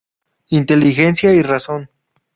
Inteligencia y Razón.